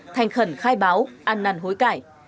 thành khẩn khai báo ăn năn hối cãi